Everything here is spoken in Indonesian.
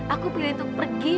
aku pilih untuk pergi